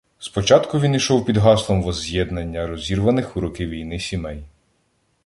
Спочатку він ішов під гаслом возз'єднання розірваних у роки війни сімей.